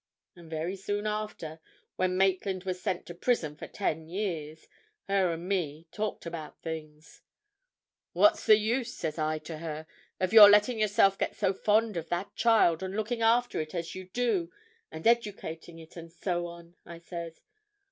And very soon after, when Maitland was sent to prison for ten years, her and me talked about things. 'What's the use,' says I to her, 'of your letting yourself get so fond of that child, and looking after it as you do, and educating it, and so on?' I says.